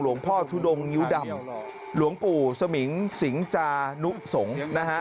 พ่อทุดงงิ้วดำหลวงปู่สมิงสิงจานุสงศ์นะฮะ